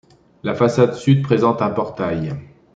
La façade sud présente un portail.